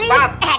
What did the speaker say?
eh ada beli